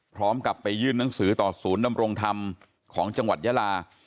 พร้อมกับไปยื่นหนังสือต่อศูนย์ดำรงธรรมของจังหวัดยาลา